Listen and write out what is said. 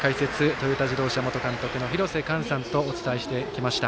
トヨタ自動車元監督の廣瀬寛さんとお伝えしてきました。